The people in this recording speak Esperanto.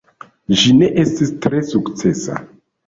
Ĝi ne estis tre sukcesa.